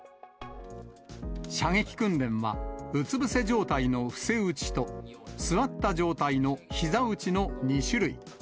射撃訓練は、うつ伏せ状態の伏せ撃ちと、座った状態のひざ撃ちの２種類。